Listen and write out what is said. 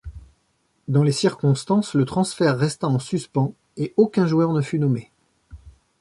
Dans les circonstances, le transfert resta en suspens et aucun joueur ne fut nommé.